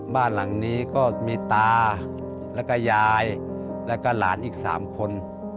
บ้านหลังนี้ก็มีตาแล้วก็ยายแล้วก็หลานอีก๓คน